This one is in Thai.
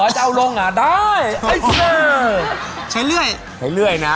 ใช้เลื่อยนะ